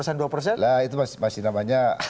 nah itu masih namanya